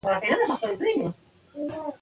باران د افغانستان د بشري فرهنګ برخه ده.